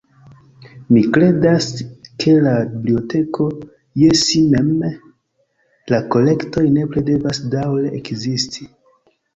Mi kredas ke la biblioteko je si mem, la kolektoj, nepre devas daŭre ekzisti.